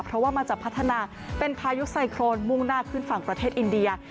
เพราะว่ามันจะพัฒนาเป็นพายุไซโครนมุ่งหน้าขึ้นฝั่งประเทศอินเดีย